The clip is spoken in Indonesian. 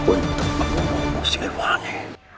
untuk membunuhku silvani